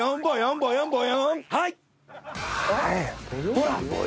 ほら！